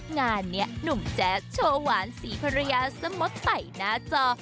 งานี้หนุ่มแจ๊กโชว์หวานสี่คนระยะสมสไต่หน้าจอ